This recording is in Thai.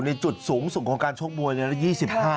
ในจุดสูงส่วนของการช่วงบัว๒๕เองครับ